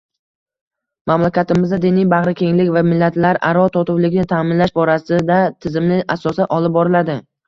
Mamlakatimizda diniy bag‘rikenglik va millatlararo totuvlikni ta’minlash borasida tizimli asosda olib boriladi.